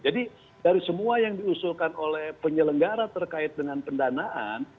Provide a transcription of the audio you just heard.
jadi dari semua yang diusulkan oleh penyelenggara terkait dengan pendanaan